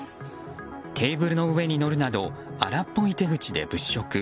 テーブルの上に乗るなど荒っぽい手口で物色。